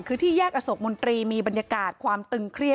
คือที่แยกอโศกมนตรีมีบรรยากาศความตึงเครียด